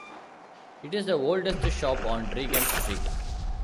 It is the oldest shop on Regent Street.